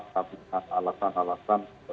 tapi dengan alasan alasan